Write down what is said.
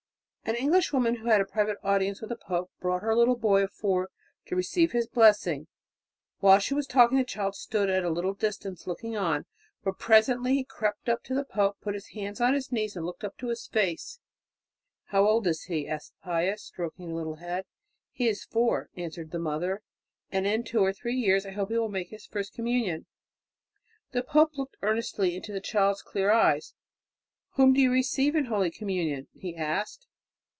An Englishwoman who had a private audience with the pope brought her little boy of four to receive his blessing. While she was talking the child stood at a little distance looking on; but presently he crept up to the pope, put his hands on his knees and looked up into his face. "How old is he?" asked Pius, stroking the little head. "He is four," answered the mother, "and in two or three years I hope he will make his first communion." The pope looked earnestly into the child's clear eyes. "Whom do you receive in holy communion?" he asked.